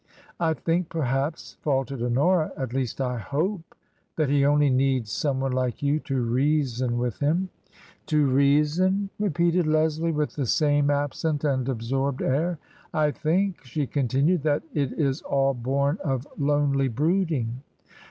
" I think, perhaps,*' faltered Honora, " at least I Itope^ that he only needs some one like you to reason with him." " To reason ?" repeated Leslie, with the same absent and absorbed air. " I think/' she continued, " that it is all bom of lonely brooding."